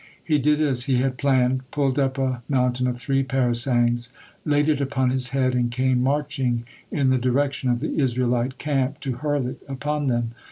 He did as he had planned, pulled up a mountain of three parasangs, laid it upon his head, and came marching in the direction of the Israelite camp, to hurl it upon them.